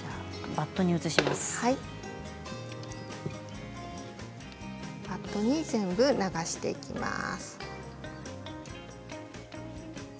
バットに全部流していきます。